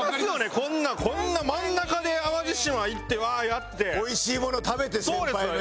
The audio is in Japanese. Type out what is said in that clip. こんなこんな真ん中で淡路島行ってワーやって。おいしいもの食べて先輩のやつで。